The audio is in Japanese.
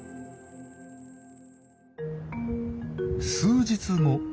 数日後。